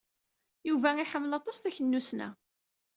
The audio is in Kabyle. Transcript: Yuba iḥemmel aṭas taknussna.